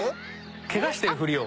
ケガしてるふりを。